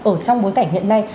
ở trong bối cảnh hiện nay